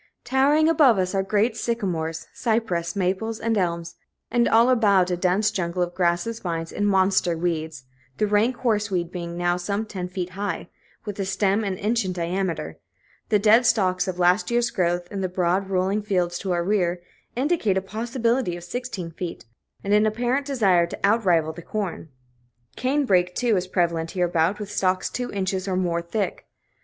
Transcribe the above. Towering above us are great sycamores, cypress, maples, and elms, and all about a dense jungle of grasses, vines, and monster weeds the rank horse weed being now some ten feet high, with a stem an inch in diameter; the dead stalks of last year's growth, in the broad rolling fields to our rear, indicate a possibility of sixteen feet, and an apparent desire to out rival the corn. Cane brake, too, is prevalent hereabout, with stalks two inches or more thick.